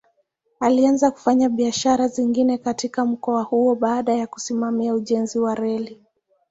Alianza kufanya biashara zingine katika mkoa huo baada ya kusimamia ujenzi wa reli.